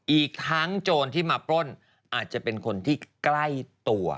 อีกทั้งโจรที่มาปล้นอาจจะเป็นคนที่ใกล้ตัว